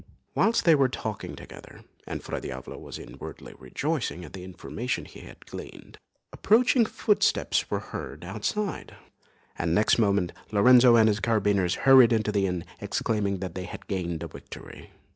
Whilst they were talking together, and Fra Diavolo was inwardly rejoicing at the information he had gleaned, approaching footsteps were heard outside, and next moment, Lorenzo and his carbineers hurried into the inn, exclaiming that they had gained a victory.